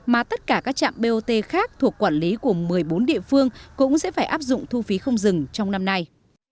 mà tất cả các trạm bot khác thuộc quản lý của một mươi bốn địa phương cũng sẽ phải áp dụng thu phí không dừng trong năm nay